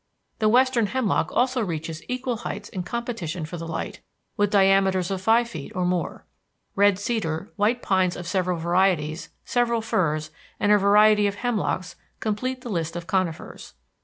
The western hemlock also reaches equal heights in competition for the light, with diameters of five feet or more. Red cedar, white pines of several varieties, several firs, and a variety of hemlocks complete the list of conifers.